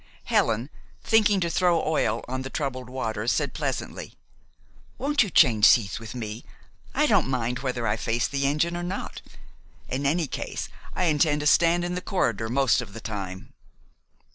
Helen, thinking to throw oil on the troubled waters, said pleasantly, "Won't you change seats with me? I don't mind whether I face the engine or not. In any case, I intend to stand in the corridor most of the time."